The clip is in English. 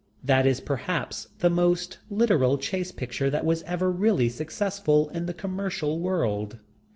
That is perhaps the most literal "Chase Picture" that was ever really successful in the commercial world.